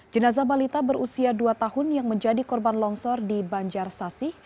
jenazah balita berusia dua tahun yang menjadi korban longsor di banjar sasih